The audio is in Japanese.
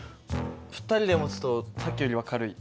２人で持つとさっきよりは軽い。